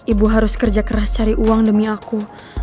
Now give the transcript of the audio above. ibu harus kerja keras cari uang demi aku